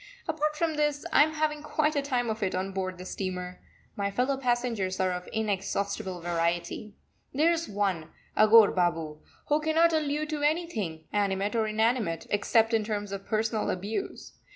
Apart from this, I am having quite a time of it on board the steamer. My fellow passengers are of inexhaustible variety. There is one, Aghore Babu, who cannot allude to anything, animate or inanimate, except in terms of personal abuse.